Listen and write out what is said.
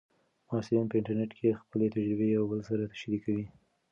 محصلین په انټرنیټ کې خپلې تجربې یو بل سره شریکوي.